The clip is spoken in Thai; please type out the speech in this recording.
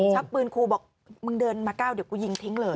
ชักปืนครูบอกมึงเดินมาก้าวเดี๋ยวกูยิงทิ้งเลย